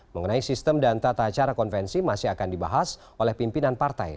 mengenai sistem dan tata cara konvensi masih akan dibahas oleh pimpinan partai